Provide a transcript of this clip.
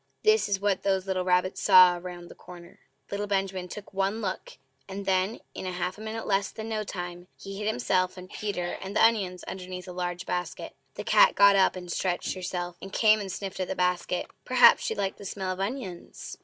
This is what those little rabbits saw round that corner! Little Benjamin took one look, and then, in half a minute less than no time, he hid himself and Peter and the onions underneath a large basket. ... The cat got up and stretched herself, and came and sniffed at the basket. Perhaps she liked the smell of onions!